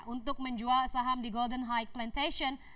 untuk menjual saham di golden high plantation